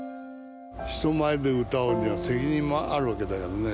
人前で歌うのは責任もあるわけだよね。